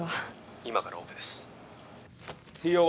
今からオペですＴＯ１